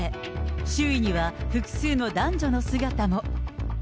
周囲には複数の男女の姿も。